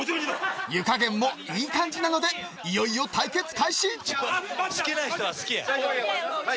湯加減もいい感じなのでいよいよ対決開始。